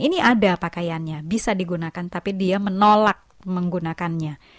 ini ada pakaiannya bisa digunakan tapi dia menolak menggunakannya